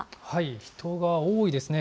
人が多いですね。